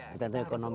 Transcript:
kita harus umum